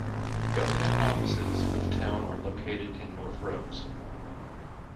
Government offices for the town are located in North Rose.